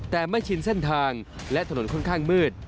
แต่ไม่ชินเส้นทางและถนนค่อนข้างมืด